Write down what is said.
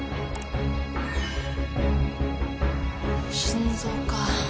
心臓か。